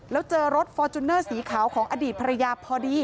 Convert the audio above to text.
แล้วเจอรถฟอร์จูเนอร์สีขาวของอดีตภรรยาพอดี